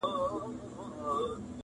چي هر څوک سي بې عزته نوم یې ورک سي!